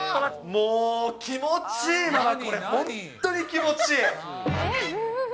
もう、気持ちいいな、これ、ママ、これ本当に気持ちいい。